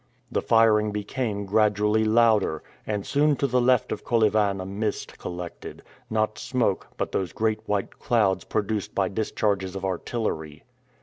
The firing became gradually louder, and soon to the left of Kolyvan a mist collected not smoke, but those great white clouds produced by discharges of artillery.